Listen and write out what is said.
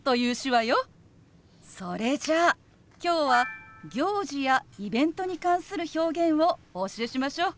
それじゃあ今日は行事やイベントに関する表現をお教えしましょう！